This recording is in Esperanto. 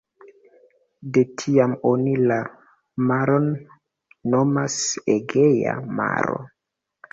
De tiam oni la maron nomas Egea Maro.